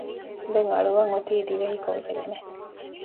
ދެން އަޅުވަން އޮތީ ދިވެހި ކޮން ފިލްމެއް؟